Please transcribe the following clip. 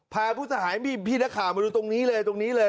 พาผู้เสียหายพี่นักข่าวมาดูตรงนี้เลยตรงนี้เลย